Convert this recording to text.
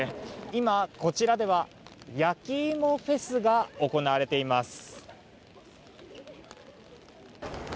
今、こちらではやきいもフェスが行われています。